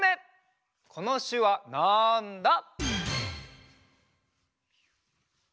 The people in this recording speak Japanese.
このしゅわなんだ？